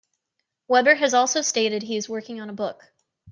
Webber has also stated he is working on a book.